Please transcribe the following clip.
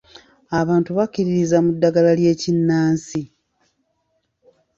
Abantu bakkiririza mu ddagala ly'ekinnansi.